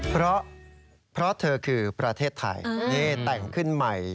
เพราะเพราะเธอคือประเทศไทย